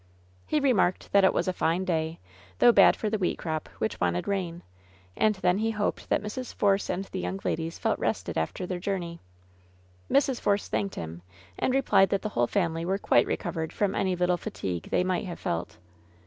He remarked that it was a fine day, though bad for the wheat crop, which wanted rain ; and then he hoped that Mrs. Force and the young ladies felt rested after their journey. Mrs. Force thanked him, and replied that the whole family were quite recovered from any little fatigue they might have felt.